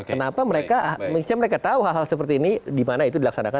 kenapa mereka misalnya mereka tahu hal hal seperti ini di mana itu dilaksanakan